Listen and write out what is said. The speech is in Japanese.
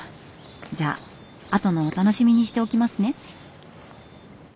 じゃあ後のお楽しみにしておきますね。